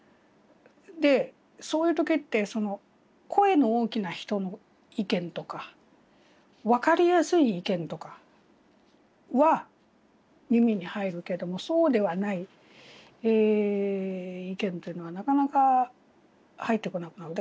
でそういう時って声の大きな人の意見とか分かりやすい意見とかは耳に入るけどもそうではない意見というのはなかなか入ってこなくなる。